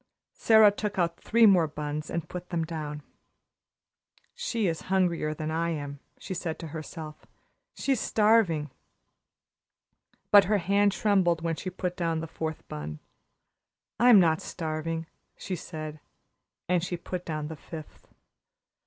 Sara took out three more buns and put them down. "She is hungrier than I am," she said to herself. "She's starving." But her hand trembled when she put down the fourth bun. "I'm not starving," she said and she put down the fifth.